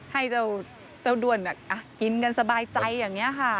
ให้เจ้าด้วนกินกันสบายใจอย่างนี้ค่ะ